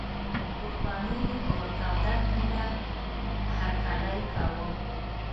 کوربنو یې په توده ټنډه هرکلی کاوه.